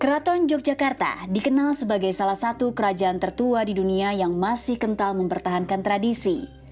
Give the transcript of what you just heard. keraton yogyakarta dikenal sebagai salah satu kerajaan tertua di dunia yang masih kental mempertahankan tradisi